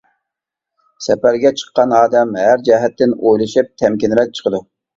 سەپەرگە چىققان ئادەم ھەر جەھەتتىن ئويلىشىپ تەمكىنرەك چىقىدۇ.